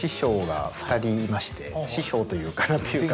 師匠というか何というか。